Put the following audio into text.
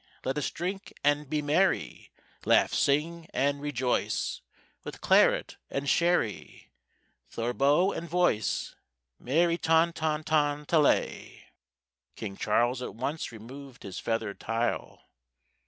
Let us drink and be merry, laugh, sing, and rejoice, With claret and sherry, theorbo and voice, Merry ton ton ton ta lay! King Charles at once removed his feathered tile.